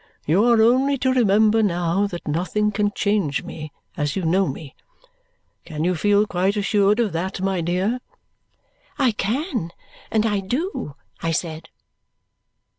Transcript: You are only to remember now that nothing can change me as you know me. Can you feel quite assured of that, my dear?" "I can, and I do," I said.